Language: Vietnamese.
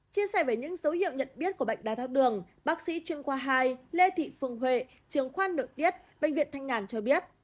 chia sẻ với những dấu hiệu nhận biết của bệnh đai thác đường bác sĩ chuyên khoa hai lê thị phùng huệ trường khoan nội tiết bệnh viện thanh ngàn cho biết